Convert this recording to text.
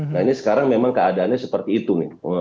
nah ini sekarang memang keadaannya seperti itu nih